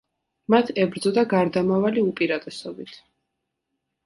მათ ებრძოდა გარდამავალი უპირატესობით.